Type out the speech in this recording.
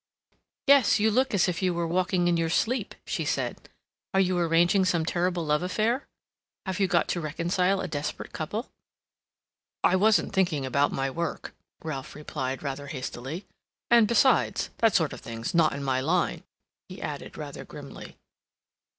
"Yes. You looked as if you were walking in your sleep," she said. "Are you arranging some terrible love affair? Have you got to reconcile a desperate couple?" "I wasn't thinking about my work," Ralph replied, rather hastily. "And, besides, that sort of thing's not in my line," he added, rather grimly.